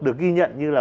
được ghi nhận như là